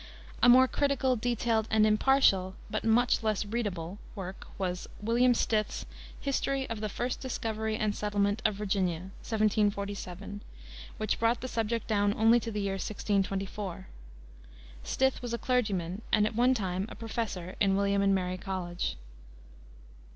A more critical, detailed, and impartial, but much less readable, work was William Stith's History of the First Discovery and Settlement of Virginia, 1747, which brought the subject down only to the year 1624. Stith was a clergyman, and at one time a professor in William and Mary College.